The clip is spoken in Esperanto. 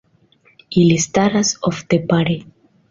Ili staras ofte pare.